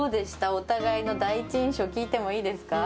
お互いの第一印象、聞いてもいいですか？